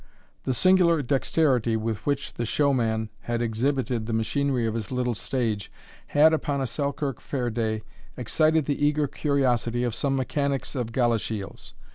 The singular dexterity with which the show man had exhibited the machinery of his little stage, had, upon a Selkirk fair day, excited the eager curiosity of some mechanics of Galashiels.